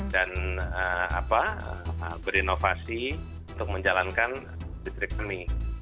dan berinovasi untuk menjalankan industri kami